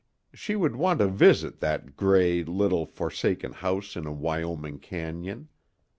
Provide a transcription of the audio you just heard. She would want to visit that gay, little forsaken house in a Wyoming cañon.